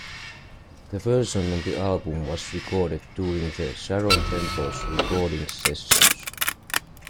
The version on the album was recorded during the Sharon Temples recordings sessions.